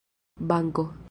banko